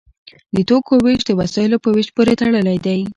د توکو ویش د وسایلو په ویش پورې تړلی دی.